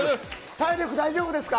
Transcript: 体力大丈夫ですか？